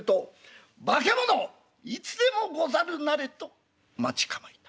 「化け物いつでもござるなれ！」と待ち構えた。